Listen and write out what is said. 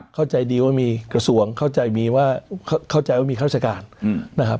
เข้าใจดีว่ามีกระสวงเข้าใจว่ามีข้าราชการนะครับ